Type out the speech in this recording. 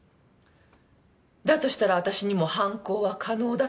だとしたら私にも犯行は可能だとおっしゃるのね？